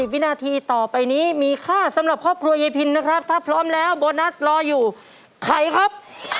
วินาทีต่อไปนี้มีค่าสำหรับครอบครัวยายพินนะครับถ้าพร้อมแล้วโบนัสรออยู่ใครครับ